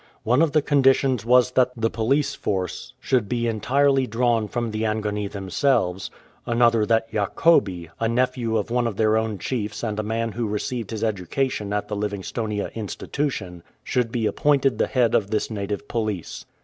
One of the conditions was that the police force should be entirely dra^vn from the Angoni themselves ; another that Yakobe, a nephew of one of their own chiefs and a man who received his education at the Livingstonia Institution, should be appointed the head of this native police.